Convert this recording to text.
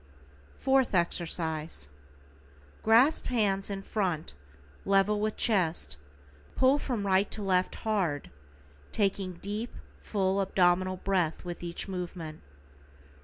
=FOURTH EXERCISE:= Grasp hands in front, level with chest, pull from right to left hard, taking deep, full abdominal breath with each movement.